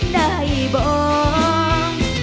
ได้บอก